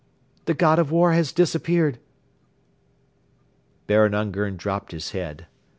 ... The God of War has disappeared. ..." Baron Ungern dropped his head.